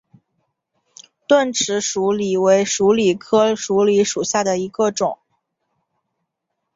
钝齿鼠李为鼠李科鼠李属下的一个种。